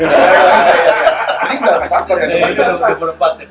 jadi tidak akan sampai dengan tahun depan